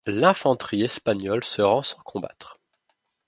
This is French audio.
L’infanterie espagnole se rend sans combattre.